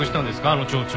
あの町長を。